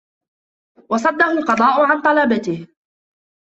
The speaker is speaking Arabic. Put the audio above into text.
وَصَدَّهُ الْقَضَاءُ عَنْ طَلِبَتِهِ